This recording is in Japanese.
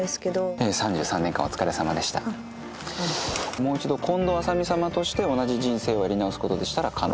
もう一度近藤麻美様として同じ人生をやり直すことでしたら可能。